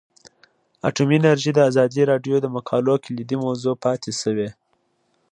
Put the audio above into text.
اټومي انرژي د ازادي راډیو د مقالو کلیدي موضوع پاتې شوی.